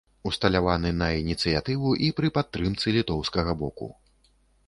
Усталяваны на ініцыятыву і пры падтрымцы літоўскага боку.